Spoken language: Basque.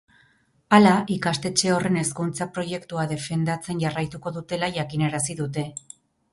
Hala, ikastetxe horren hezkuntza-proiektua defendatzen jarraituko dutela jakinarazi dute.